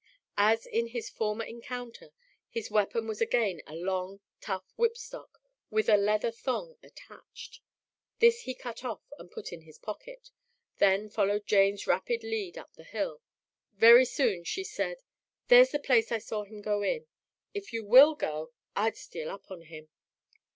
As in his former encounter, his weapon was again a long, tough whipstock with a leather thong attached. This he cut off and put in his pocket, then followed Jane's rapid lead up the hill. Very soon she said, "There's the place I saw 'im in. If you will go, I'd steal up on him."